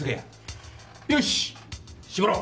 よし絞ろう。